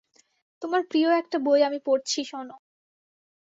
তোমার প্রিয় একটা বই আমি পড়ছি শোনো।